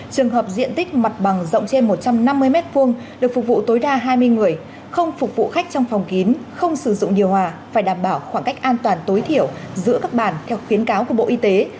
trường hợp diện tích mặt bằng rộng trên một trăm năm mươi m hai được phục vụ tối đa hai mươi người không phục vụ khách trong phòng kín không sử dụng điều hòa phải đảm bảo khoảng cách an toàn tối thiểu giữa các bản theo khuyến cáo của bộ y tế